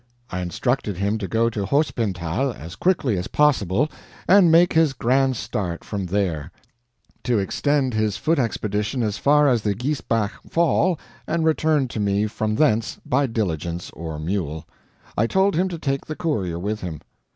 I instructed him to go to Hospenthal as quickly as possible, and make his grand start from there; to extend his foot expedition as far as the Giesbach fall, and return to me from thence by diligence or mule. I told him to take the courier with him.